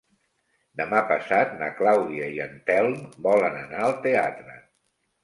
Demà passat na Clàudia i en Telm volen anar al teatre.